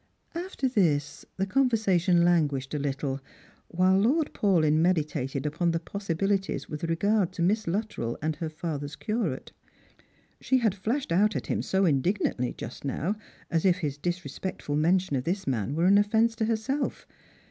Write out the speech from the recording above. After this the conversation languished a little, while Lord Paulyn meditated upon the possibilities with regard to Miss Luttrell and her father's Curate. She had flashed out at him so indignantly just now, as if his disrespectful mention of this man were an offence to herself.